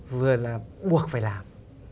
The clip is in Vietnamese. vừa là buộc phải làm